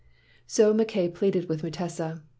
" So Mackay pleaded with Mutesa.